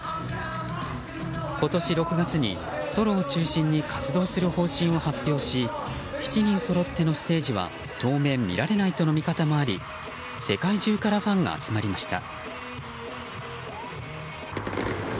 今年６月にソロを中心に活動する方針を発表し７人そろってのステージは当面、見られないとの見方もあり、世界中からファンが集まりました。